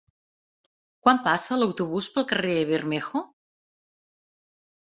Quan passa l'autobús pel carrer Bermejo?